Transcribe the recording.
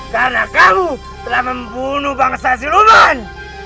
karena kamu telah membunuh bangsa siluman